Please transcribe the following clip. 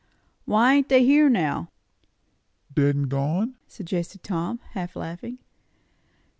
"Why ain't they here now?" "Dead and gone?" suggested Tom, half laughing.